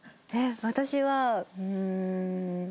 私はうーん。